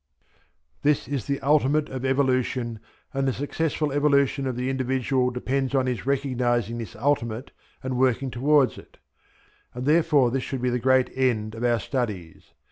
This is the ultimate of evolution, and the successful evolution of the individual depends on his recognizing this ultimate and working towards it; and therefore this should be the great end of our studies.